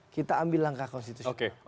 kita ambil langkah konstitusional